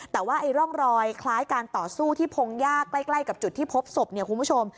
แต่ว่าไอ้ร่องรอยคล้ายการต่อสู้ที่พงหญ้าใกล้กับจุดที่พบศพเนี่ยคุณผู้ชม